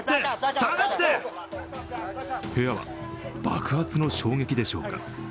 部屋は爆発の衝撃でしょうか。